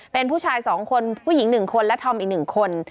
เป็นผู้ชาย๒คนผู้หญิง๑คนและธอมอีก๑คน